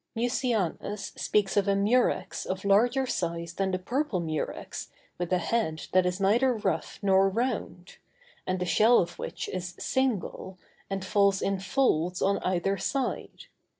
Mucianus speaks of a murex of larger size than the purple murex with a head that is neither rough nor round; and the shell of which is single, and falls in folds on either side.